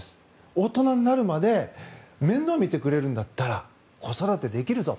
大人になるまで面倒を見てくれるんだったら子育てできるぞと。